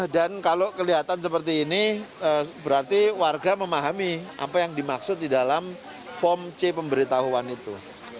dan kalau kelihatan seperti ini berarti warga memahami apa yang dimaksud di dalam form c pemberitahuan itu